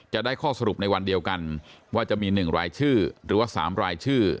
จะได้ข้อสรุปในวันเดียวกันว่าจะมี๑รายชื่อหรือว่า๓รายชื่อ